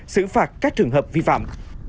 xử phạt các trường hợp vi phạm